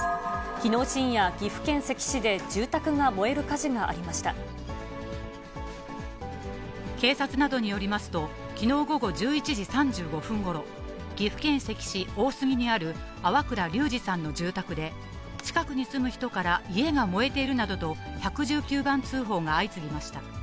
きのう深夜、岐阜県関市で住宅が警察などによりますと、きのう午後１１時３５分ごろ、岐阜県関市大杉にある粟倉隆史さんの住宅で、近くに住む人から家が燃えているなどと、１１９番通報が相次ぎました。